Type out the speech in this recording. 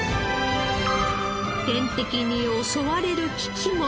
天敵に襲われる危機も。